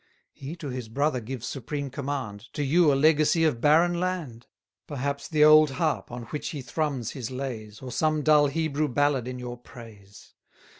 He to his brother gives supreme command, To you a legacy of barren land; Perhaps the old harp, on which he thrums his lays, Or some dull Hebrew ballad in your praise.